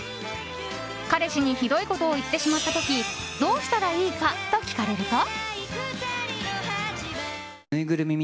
彼氏にひどいことを言ってしまった時どうしたらいいかと聞かれると。